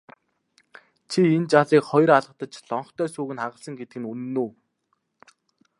Чи энэ жаалыг хоёр алгадаж лонхтой сүүг нь хагалсан гэдэг үнэн үү?